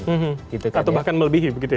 atau bahkan melebihi begitu ya